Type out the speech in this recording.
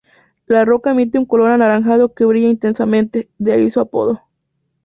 La roca emite un color anaranjado que brilla intensamente, de ahí su apodo.